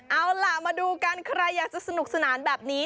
เอาล่ะมาดูกันใครอยากจะสนุกสนานแบบนี้